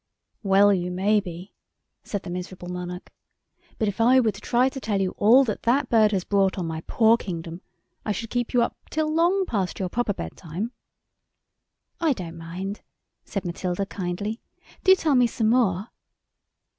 "Well you may be," said the miserable Monarch; "but if I were to try to tell you all that that bird has brought on my poor kingdom I should keep you up till long past your proper bedtime." "I don't mind," said Matilda kindly. "Do tell me some more."